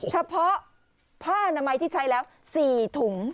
เฉพาะผ้านามัยที่ใช้แล้ว๔ถุง